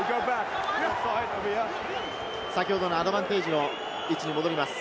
先ほどのアドバンテージの位置に戻ります。